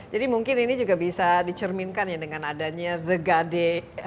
jadi mungkin ini juga bisa dicerminkan ya dengan adanya the gade